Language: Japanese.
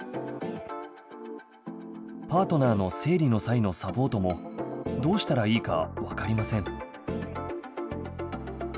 パートナーの生理の際のサポートも、どうしたらいいか分かりません。